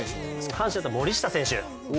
阪神だったら森下選手。